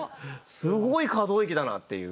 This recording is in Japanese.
すごい可動域だなっていう。